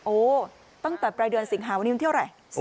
โอ้ตั้งแต่ปลายเดือนสิงหาวันนี้วันที่เท่าไหร่